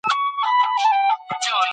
انټرنیټ د بشر یو لوی اختراع دی.